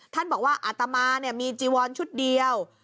ท่านบอกว่าอาตมามีจีวอนชุดเดียว